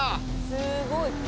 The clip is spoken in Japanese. すごい。